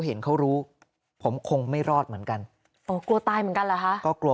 เห็นเขารู้ผมคงไม่รอดเหมือนกันอ๋อกลัวตายเหมือนกันเหรอคะก็กลัว